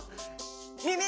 みみ！